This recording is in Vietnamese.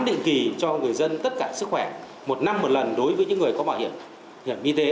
đối với những người có bảo hiểm y tế